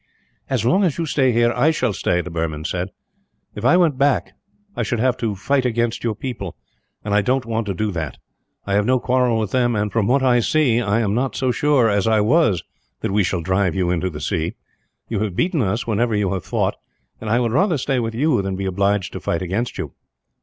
"As long as you stay here, I shall stay," the Burman said. "If I went back, I should have to fight against your people; and I don't want to do that. I have no quarrel with them and, from what I see, I am not so sure as I was that we shall drive you into the sea. You have beaten us, whenever you have fought; and I would rather stay with you, than be obliged to fight against you.